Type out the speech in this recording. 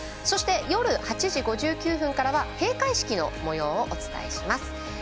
そして、夜８時５９分からは閉会式のもようをお伝えします。